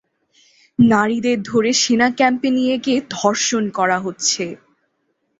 নারীদের ধরে সেনা ক্যাম্পে নিয়ে গিয়ে ধর্ষণ করা হচ্ছে।